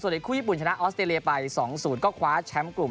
อีกคู่ญี่ปุ่นชนะออสเตรเลียไป๒๐ก็คว้าแชมป์กลุ่ม